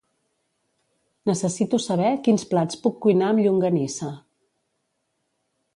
Necessito saber quins plats puc cuinar amb llonganissa.